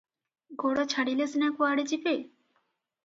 ଗୋଡ଼ ଛାଡ଼ିଲେ ସିନା କୁଆଡ଼େ ଯିବେ?